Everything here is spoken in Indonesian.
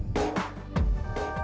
anggap dia keluarga kita